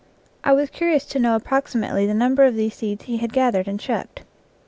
I was curious to know approximately the number of these seeds he had gathered and shucked.